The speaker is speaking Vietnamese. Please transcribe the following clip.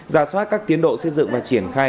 giả soát các tiến độ xây dựng và triển khai